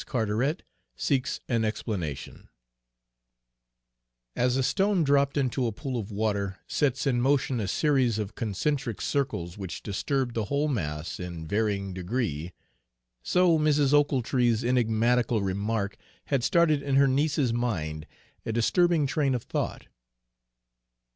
CARTERET SEEKS AN EXPLANATION As a stone dropped into a pool of water sets in motion a series of concentric circles which disturb the whole mass in varying degree, so Mrs. Ochiltree's enigmatical remark had started in her niece's mind a disturbing train of thought.